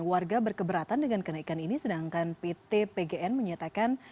warga berkeberatan dengan kenaikan ini sedangkan pt pgn menyatakan